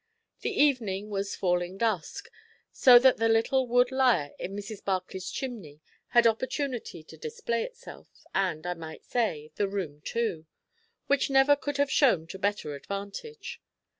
The evening was falling dusk, so that the little wood lire in Mrs. Barclay's chimney had opportunity to display itself, and I might say, the room too; which never could have showed to better advantage.